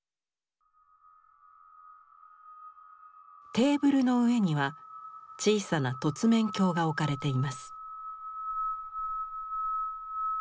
テーブルの上には小さな凸面鏡が置かれています。